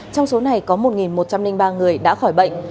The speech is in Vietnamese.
trong số này có một một trăm linh ba người đã khỏi bệnh